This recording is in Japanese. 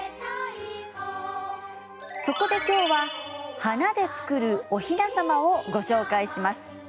そこで今日は花で作るおひな様をご紹介します。